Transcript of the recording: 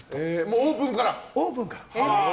オープンから。